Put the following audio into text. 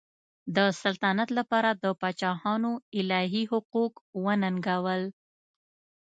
د سلطنت لپاره د پاچاهانو الهي حقوق وننګول.